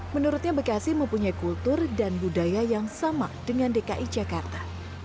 menurutnya bekasi mempunyai kultur dan budaya yang sama dengan dki jakarta